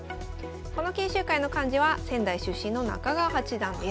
この研修会の幹事は仙台出身の中川八段です。